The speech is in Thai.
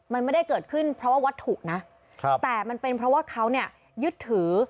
มันไม่ได้เกิดขึ้นเพราะว่าวัตถุนะแต่มันเป็นเพราะว่าเขาเนี่ยยึดถือ